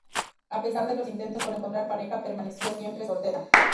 A pesar de los intentos por encontrar pareja, permaneció siempre soltera.